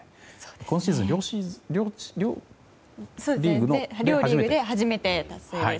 今シーズン、両リーグで初めて達成です。